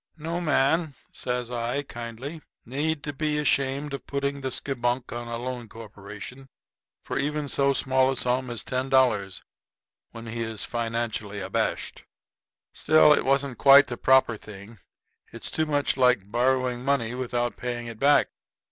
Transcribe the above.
"No man," says I, kindly, "need to be ashamed of putting the skibunk on a loan corporation for even so small a sum as ten dollars, when he is financially abashed. Still, it wasn't quite the proper thing. It's too much like borrowing money without paying it back."